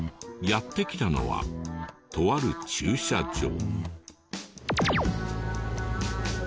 やって来たのはとある駐車場。